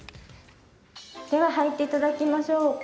でははいていただきましょう。